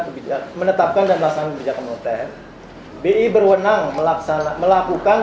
kebijakan menetapkan dan melaksanakan kebijakan moneter bi berwenang melaksanakan